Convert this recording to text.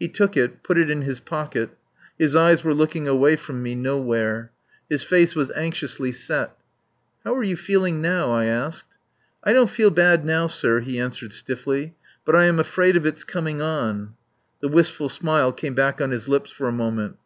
He took it, put it in his pocket. His eyes were looking away from me nowhere. His face was anxiously set. "How are you feeling now?" I asked. "I don't feel bad now, sir," he answered stiffly. "But I am afraid of its coming on. ..." The wistful smile came back on his lips for a moment.